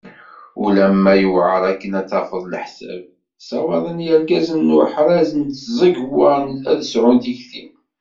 Ulama yewɛer akken ad tafeḍ leḥsab, ssawaḍen yirgazen n uḥraz n tẓegwa ad sɛun tikti.